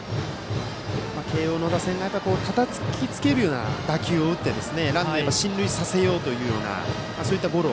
慶応の打線がたたきつけるような打球を打ってランナーを進塁させようというそういったゴロ。